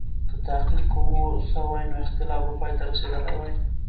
که تحقیق و سوای، نو اختلاف به پای ته رسېدلی وای.